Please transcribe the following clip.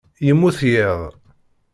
Yemmut yiḍ.